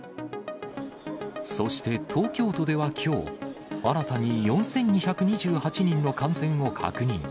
そして東京都ではきょう、新たに４２２８人の感染を確認。